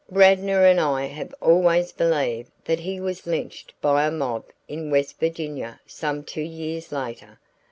Radnor and I have always believed that he was lynched by a mob in West Virginia some two years later.